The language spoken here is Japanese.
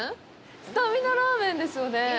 スタミナラーメンですよね？